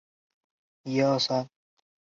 他是父亲的次子。